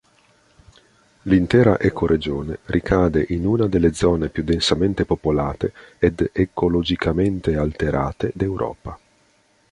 L'intera ecoregione ricade in una delle zone più densamente popolate ed ecologicamente alterate d'Europa.